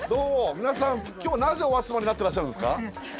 皆さん今日はなぜお集まりになってらっしゃるんですか？